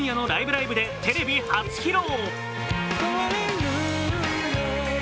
ライブ！」でテレビ初披露。